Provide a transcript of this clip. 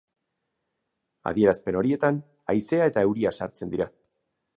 Adierazpen horietan haizea eta euria sartzen dira.